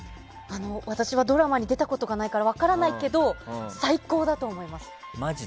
私はドラマに出たことがないから分からないけど最高だと思います。